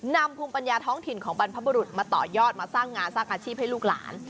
นำภูมิปัญญาท้องถิ่นของบรรพบุรุษมาต่อยอดมาสร้างงานสร้างอาชีพให้ลูกหลาน